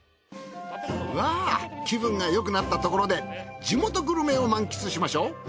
うわぁ気分がよくなったところで地元グルメを満喫しましょう。